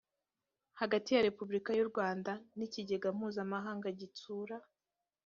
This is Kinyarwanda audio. hagati ya repubulika y u rwanda n ikigega mpuzamahanga gitsura